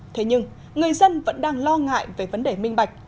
thế nhưng người dân vẫn đang lo ngại về vấn đề minh bạch